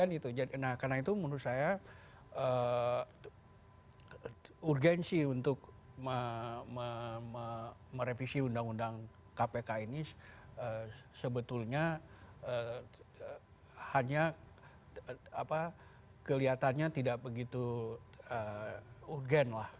nah karena itu menurut saya urgensi untuk merevisi undang undang kpk ini sebetulnya hanya kelihatannya tidak begitu urgen lah